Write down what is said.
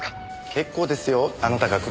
結構ですよ。あなたが来ると。